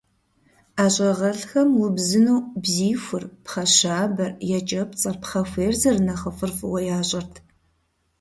ӀэщӀагъэлӀхэм убзыну бзиихур, пхъэщабэр, екӀэпцӀэр, пхъэхуейр зэрынэхъыфӀыр фӀыуэ ящӀэрт.